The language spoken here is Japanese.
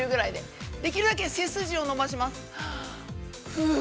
◆ふう！